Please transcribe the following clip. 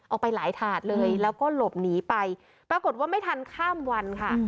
เอาไปหลายถาดเลยแล้วก็หลบหนีไปปรากฏว่าไม่ทันข้ามวันค่ะ